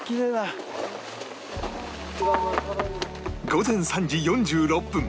午前３時４６分